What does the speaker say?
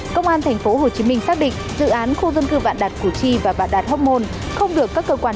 công an tp hcm xác định dự án khu dân cư vạn đạt củ chi và vạn đạt hóc môn